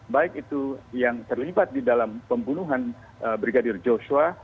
baik itu yang terlibat di dalam pembunuhan brigadir joshua